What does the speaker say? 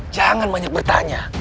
jangan banyak bertanya